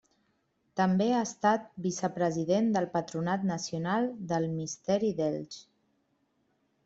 També ha estat vicepresident del Patronat Nacional del Misteri d'Elx.